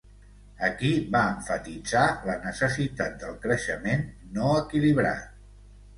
Aquí va emfatitzar la necessitat del creixement no equilibrat.